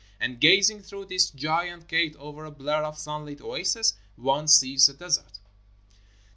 And, gazing through this giant gate over a blur of sunlit oasis, one sees the desert.